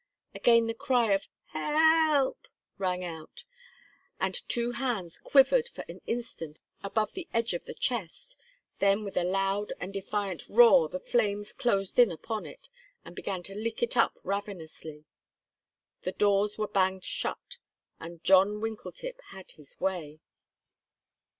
Again the cry of "Help!" rang out, and two hands quivered for an instant above the edge of the chest, then with a loud and defiant roar the flames closed in upon it, and began to lick it up ravenously. The doors were banged shut, and John Winkletip had his way.